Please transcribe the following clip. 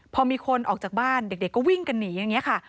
พอมีคนออกจากบ้านเด็กก็วิ่งกันหนีอย่างนี้ค่ะ